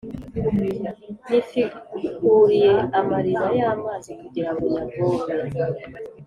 Nifikuriye amariba y’amazi kugirango nyavome